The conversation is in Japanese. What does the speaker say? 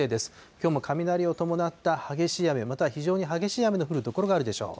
きょうも雷を伴った激しい雨、または非常に激しい雨の降る所があるでしょう。